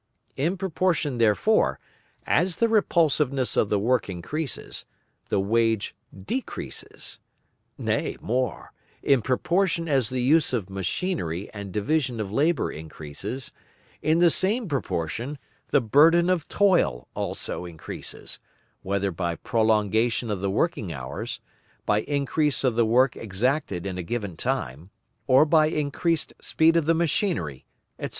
In proportion therefore, as the repulsiveness of the work increases, the wage decreases. Nay more, in proportion as the use of machinery and division of labour increases, in the same proportion the burden of toil also increases, whether by prolongation of the working hours, by increase of the work exacted in a given time or by increased speed of the machinery, etc.